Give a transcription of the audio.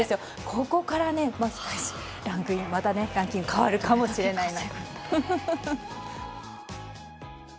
ここからまたランキング変わるかもしれないです。